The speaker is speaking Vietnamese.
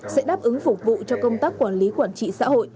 sẽ đáp ứng phục vụ cho công tác quản lý quản trị xã hội